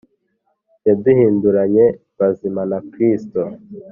yaduhinduranye bazima na Kristo